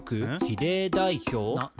比例代表？」